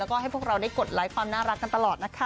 แล้วก็ให้พวกเราได้กดไลค์ความน่ารักกันตลอดนะคะ